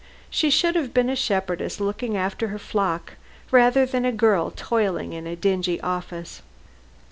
She should have been a shepherdess looking after her flock rather than a girl toiling in a dingy office.